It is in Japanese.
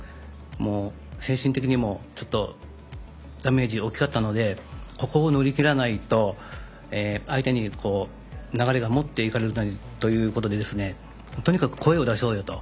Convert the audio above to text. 精神的にもちょっとダメージが大きかったのでここを乗り切らないと相手に流れを持っていかれるということでとにかく声を出そうよと。